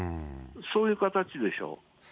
そういう形でしょう。